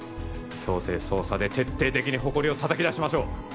強制捜査で徹底的にホコリを叩き出しましょう！